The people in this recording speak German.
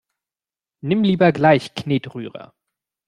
Nimm lieber gleich Knetrührer!